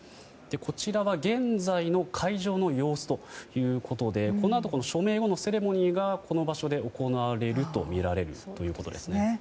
こちらは現在の会場の様子ということでこのあと署名後のセレモニーがこの場所で行われるとみられるということです。